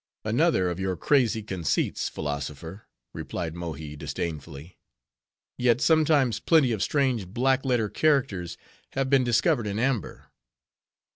"Another of your crazy conceits, philosopher," replied Mohi, disdainfully; "yet, sometimes plenty of strange black letter characters have been discovered in amber."